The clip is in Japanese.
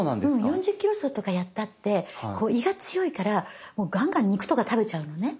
４０ｋｍ走とかやったって胃が強いからガンガン肉とか食べちゃうのね。